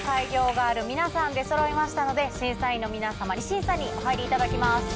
ガール皆さん出そろいましたので審査員の皆様に審査にお入りいただきます。